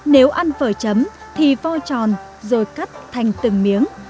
nếu ăn phở chấm thì vo tròn rồi cắt thành từng bánh